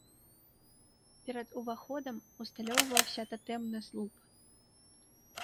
Перад уваходам усталёўваўся татэмны слуп.